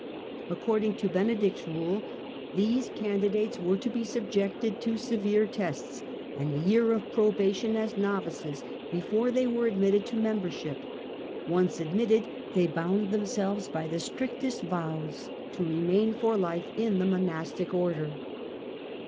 According to Benedict's rule, these candidates were to be subjected to severe tests and a year of probation as novices before they were admitted to membership. Once admitted, they bound themselves by the strictest vows to remain for life in the monastic order.